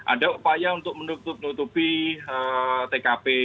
ada upaya untuk menutupi tkp